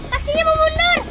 taksinya mau mundur